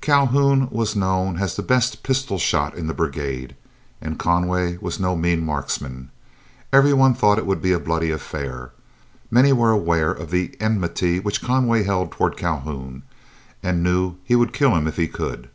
Calhoun was known as the best pistol shot in the brigade, and Conway was no mean marksman. Everyone thought it would be a bloody affair. Many were aware of the enmity which Conway held toward Calhoun, and knew he would kill him if he could.